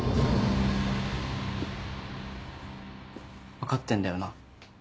分かってんだよな？